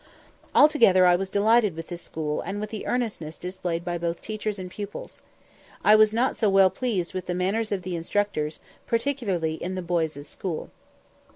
Altogether, I was delighted with this school and with the earnestness displayed by both teachers and pupils. I was not so well pleased with the manners of the instructors, particularly in the boys' school.